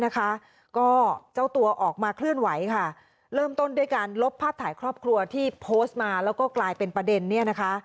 ก็เจ้าตัวออกมาเคลื่อนไหวค่ะเริ่มต้นด้วยการลบภาพถ่ายครอบครัวที่โพสต์มาแล้วก็กลายเป็นประเด็นเนี่ยนะคะ